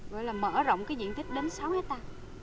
gọi là mở rộng cái diện tích đến sáu hectare